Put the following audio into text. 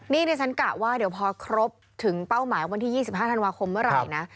นี่ดิฉันกะว่าเดี๋ยวพอครบถึงเป้าหมายวันที่๒๕ธันวาคมเมื่อไหร่นะ